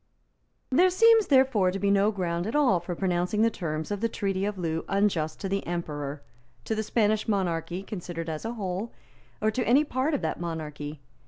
There seems, therefore, to be no ground at all for pronouncing the terms of the Treaty of Loo unjust to the Emperor, to the Spanish monarchy considered as a whole, or to any part of that monarchy.